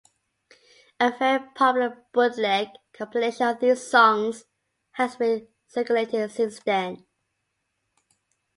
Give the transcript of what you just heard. A very popular bootleg compilation of these songs has been circulating since then.